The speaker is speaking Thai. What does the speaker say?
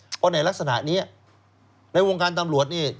เพราะในลักษณะนี้ในวงการตำรวจนี่